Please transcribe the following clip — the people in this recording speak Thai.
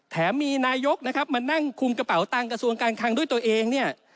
มีนายกนะครับมานั่งคุมกระเป๋าตังค์กระทรวงการคังด้วยตัวเองเนี่ย